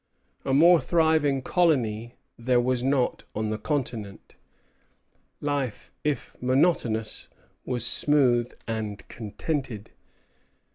A more thriving colony there was not on the continent. Life, if monotonous, was smooth and contented.